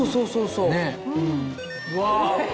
うわ！